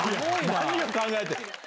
何を考えて。